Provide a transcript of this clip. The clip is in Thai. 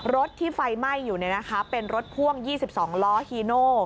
รถที่ไฟไหม้อยู่เป็นรถพ่วง๒๒ล้อฮีโน่